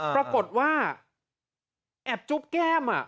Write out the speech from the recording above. ปรากฏว่าแอบจุ๊บแก้ม